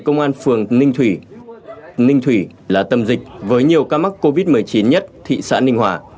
công an phường ninh thủy ninh thủy là tâm dịch với nhiều ca mắc covid một mươi chín nhất thị xã ninh hòa